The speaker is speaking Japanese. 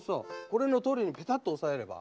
これのとおりにピタッと押さえれば。